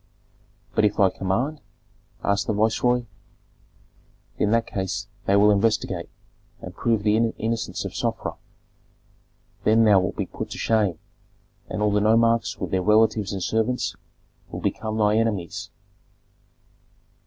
"But if I command?" asked the viceroy. "In that case they will investigate and prove the innocence of Sofra. Then thou wilt be put to shame, and all the nomarchs with their relatives and servants will become thy enemies."